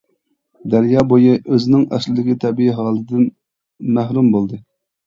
دەريا بويى ئۆزىنىڭ ئەسلىدىكى تەبىئىي ھالىتىدىن مەھرۇم بولدى.